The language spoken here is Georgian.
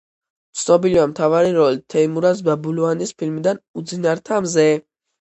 ცნობილია მთავარი როლით თეიმურაზ ბაბლუანის ფილმიდან „უძინართა მზე“.